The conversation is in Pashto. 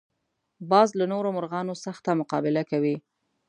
باز له نورو مرغانو سخته مقابله کوي